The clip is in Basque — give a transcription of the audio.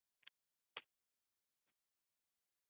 Gauzak horrela, goizera arte ez zuen, esan duenez, gorpua aurkitu.